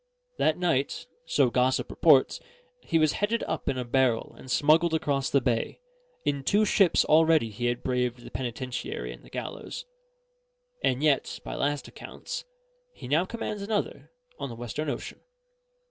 That night (so gossip reports) he was headed up in a barrel and smuggled across the bay: in two ships already he had braved the penitentiary and the gallows; and yet, by last accounts, he now commands another on the Western Ocean.